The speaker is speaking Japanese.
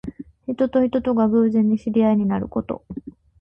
人と人とが偶然に知り合いになること。